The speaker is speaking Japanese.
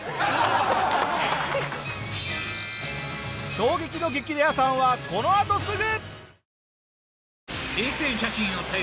衝撃の激レアさんはこのあとすぐ！